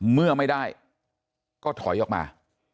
เมื่อไม่ได้ก็ถอยออกมา